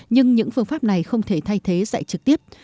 nhưng những phương pháp này không thể thay thế dạy trực tiếp